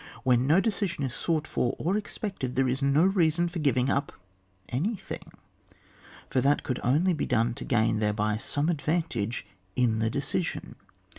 When no decision is to be sought for or expected, there is no reason for giving up anything, for that could only bo done to gain thereby some advantage in the decision.